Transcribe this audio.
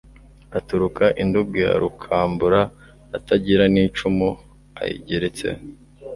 Aturuka i Nduga ya RukamburaAtagira n' icumu ayigeretseho